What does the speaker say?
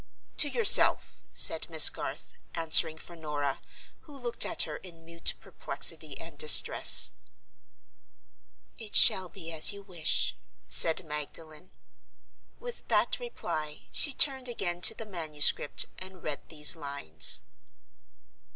"To yourself," said Miss Garth; answering for Norah, who looked at her in mute perplexity and distress. "It shall be as you wish," said Magdalen. With that reply, she turned again to the manuscript and read these lines